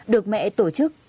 được mẹ tổ chức